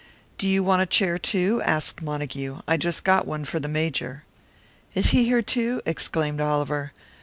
"Do you want a chair, too?" asked Montague. "I just got one for the Major." "Is he here, too?" exclaimed Oliver.